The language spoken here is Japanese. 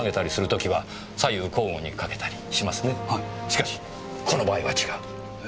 しかしこの場合は違う。